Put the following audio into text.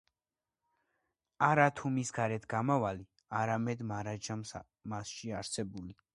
არათუ მის გარეთ გამავალი, არამედ მარადჟამს მასში არსებული.